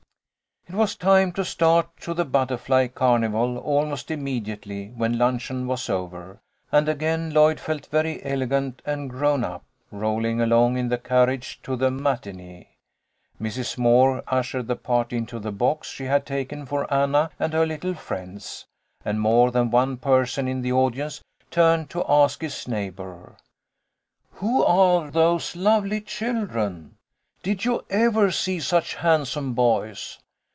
It was time to start to the Butterfly Carnival almost immediately when luncheon was over, and again Lloyd felt very elegant and grown up rolling along in the carriage to the matinee. Mrs. Moore ushered the party into the box she had taken for Anna and her little friends, and more than one per son in the audience turned to ask his neighbour, " Who are those lovely children ? Did you ever see such handsome boys